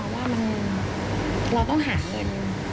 น้ำพัดลายตัวเอง